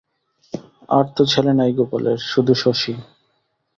আর তো ছেলে নাই গোপালের, শুধু শশী।